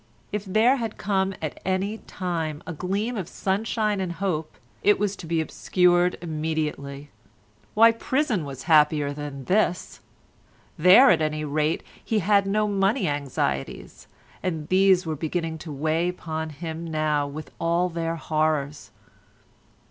If there had come at any time a gleam of sunshine and hope, it was to be obscured immediately—why, prison was happier than this! There, at any rate, he had had no money anxieties, and these were beginning to weigh upon him now with all their horrors.